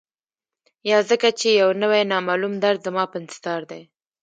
یا ځکه چي یو نوی، نامعلوم درد زما په انتظار دی